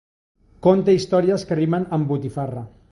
Conta històries que rimen amb botifarra.